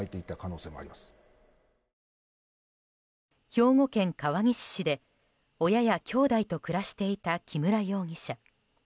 兵庫県川西市で親や兄弟と暮らしていた木村容疑者。